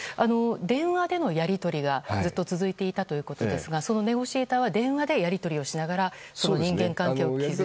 電話でのやり取りがずっと続いていたということですがネゴシエーターは電話でやり取りをしながら人間関係を築いて。